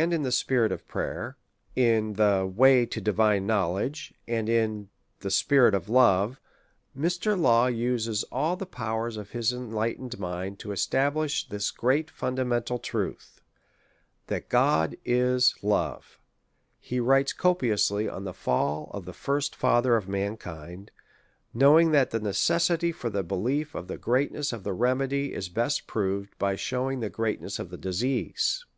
in the Spirit of Prayer, in the Way to Divine Knowledge, and in the Spirit of Love, Mr. Law uses all the powers of his enlightened mind to establish this great fundamental truth — that God is love. He writes copiously on the fail of the first fa ther of mankind, knowing that the necessity for the belief of the greatness of the remedy is best proved by shewing the greatness of the disease. Mr.